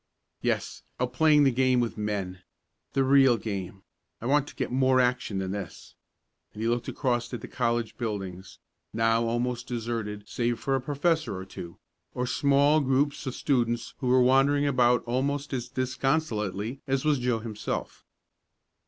"Yes, out playing the game with men the real game I want to get more action than this," and he looked across at the college buildings, now almost deserted save for a professor or two, or small groups of students who were wandering about almost as disconsolately as was Joe himself.